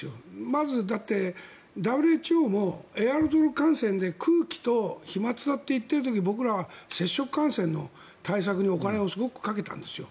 まず、ＷＨＯもエアロゾル感染で空気と飛まつだって言っている時僕らは接触感染の対策にお金をすごくかけたんですよ。